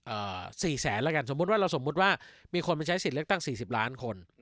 สี่แสนแล้วกันสมมุติว่าเราสมมุติว่ามีคนมาใช้สิทธิ์เลือกตั้งสี่สิบล้านคน